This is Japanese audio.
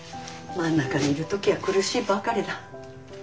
真ん中にいる時は苦しいばかりだ。